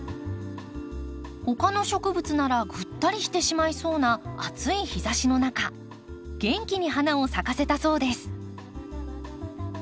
他の植物ならぐったりしてしまいそうな暑い日ざしの中元気に花を咲かせたそうです。